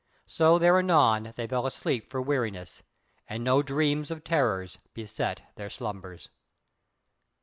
So there anon they fell asleep for weariness, and no dreams of terror beset their slumbers.